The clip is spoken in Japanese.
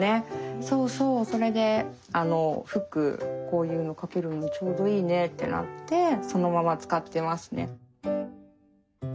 そうそうそれでフックこういうのかけるのにちょうどいいねってなってそのまま使ってますね。